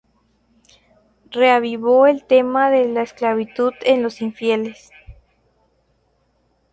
Reavivó el tema de la esclavitud en los infieles.